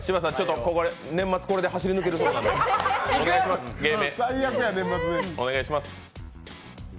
年末これで走り抜けるということなんでお願いします。